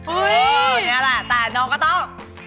นี่แหละแต่น้องก็ต้อง